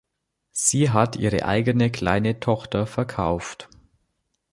Sie hat ihre eigene kleine Tochter verkauft.